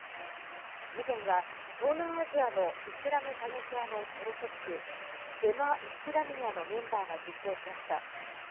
事件は東南アジアのイスラム過激派のテロ組織ジェマ・イスラミヤのメンバーが実行しました。